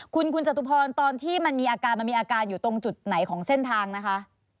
คุณคุณจตุพรตอนที่มันมีอาการมันมีอาการอยู่ตรงจุดไหนของเส้นทางนะคะ